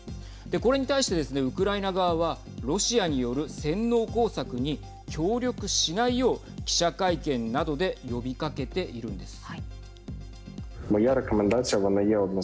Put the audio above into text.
これに対してですねウクライナ側はロシアによる洗脳工作に協力しないよう記者会見などで呼びかけているんです。